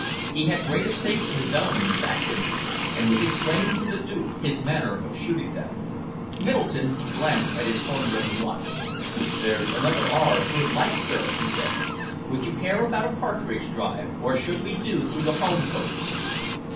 He had great estates of his own in Saxony and was explaining to the Duke his manner of shooting them. Middleton glanced at his horn rimmed watch. "There's another hour's good light, sir," he said. "Would you care about a partridge drive, or should we do through the home copse?"